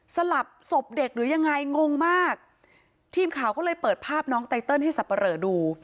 สลับศพเด็กหรือยังไงงงมากทีมข่าวก็เลยเปิดภาพน้องไตเติลให้สับปะเหลอดู